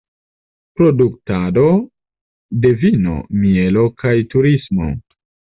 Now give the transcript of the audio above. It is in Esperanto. Produktado de vino, mielo kaj turismo.